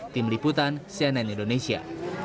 tim liputan cnn indonesia